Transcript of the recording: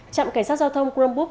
trạm cảnh sát giao thông grumboop